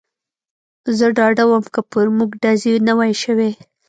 زه ډاډه ووم، که پر موږ ډزې نه وای شوې.